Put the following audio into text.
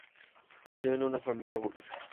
Ella nació en una familia burguesa.